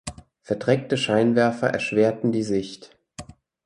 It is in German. Verdreckte Scheinwerfer erschwerten die Sicht.